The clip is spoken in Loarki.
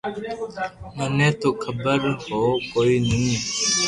مني تو خبر ھو ڪوئي ني